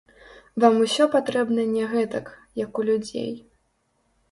Вам усё патрэбна не гэтак, як у людзей.